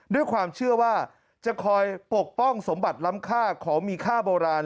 ด้วยความเชื่อว่าจะคอยปกป้องสมบัติล้ำค่าของมีค่าโบราณ